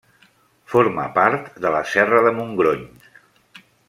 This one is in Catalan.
Forma part de la serra de Montgrony.